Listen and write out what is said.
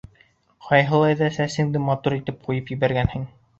Ҡайһылай ҙа сәсеңде матур итеп ҡуйып ебәргәнһең.